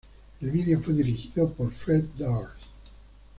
El video fue dirigido por Fred Durst.